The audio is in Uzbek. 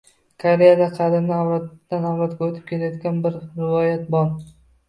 Koreyada qadimdan avloddan-avlodga o`tib kelayotgan bir rivoyat bor